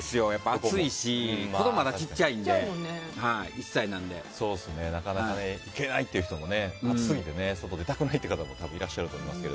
暑いし子供がまだ小さくてなかなか行けないっていう人も暑すぎて外出たくない方もいらっしゃると思いますが。